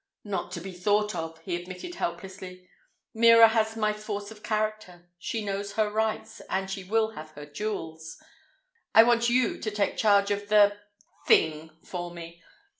"Not to be thought of," he admitted helplessly. "Mira has my force of character. She knows her rights, and she will have her jewels. I want you to take charge of the—thing for me.